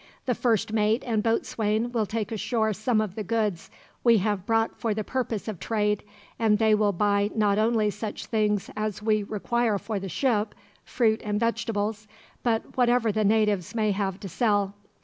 The first mate and boatswain will take ashore some of the goods we have brought for the purpose of trade, and they will buy not only such things as we require for the ship fruit and vegetables but whatever the natives may have to sell.